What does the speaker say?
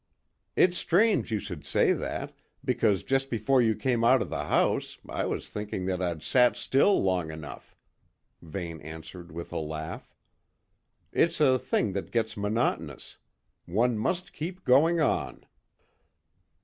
"It's strange you should say that, because just before you came out of the house I was thinking that I'd sat still long enough," Vane answered with a laugh. "It's a thing that gets monotonous. One must keep going on."